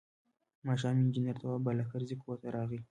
ماښام انجنیر تواب بالاکرزی کور ته راغی.